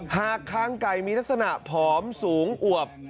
หากคางไก่มีลักษณะผอมสูงอวบ